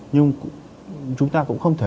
nhưng chúng ta cũng không thể